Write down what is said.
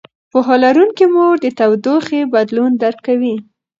پوهه لرونکې مور د تودوخې بدلون درک کوي.